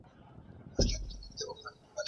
موږ بايد د ظالمانو مخه ونيسو.